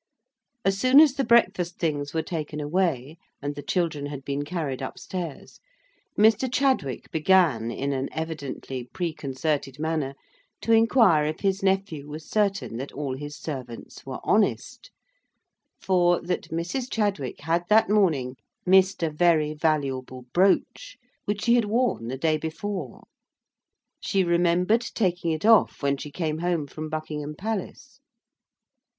As soon as the breakfast things were taken away, and the children had been carried up stairs, Mr. Chadwick began in an evidently preconcerted manner to inquire if his nephew was certain that all his servants were honest; for, that Mrs. Chadwick had that morning missed a very valuable brooch, which she had worn the day before. She remembered taking it off when she came home from Buckingham Palace.